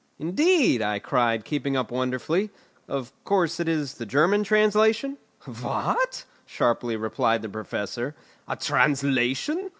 "Indeed;" I cried, keeping up wonderfully, "of course it is a German translation?" "What!" sharply replied the Professor, "a translation!